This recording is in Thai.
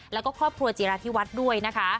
แล้วก็ครอบครัวจิราธิวัฒน์ด้วยนะคะ